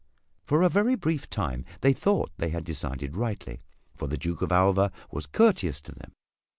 For a very brief time they thought they had decided rightly, for the Duke of Alva was courteous to them.